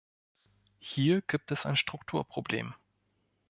Hier gibt es ein Strukturproblem.